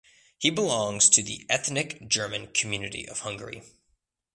He belongs to the ethnic German community of Hungary.